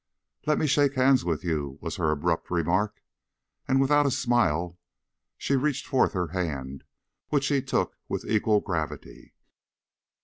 "Let me shake hands with you," was her abrupt remark. And without a smile she reached forth her hand, which he took with equal gravity.